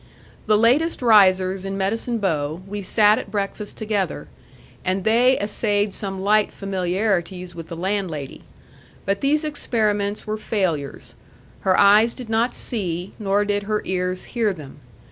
The latest risers in Medicine Bow, we sat at breakfast together; and they essayed some light familiarities with the landlady. But these experiments were failures. Her eyes did not see, nor did her ears hear them.